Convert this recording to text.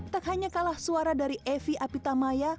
tak hanya kalah suara dari evi apitamaya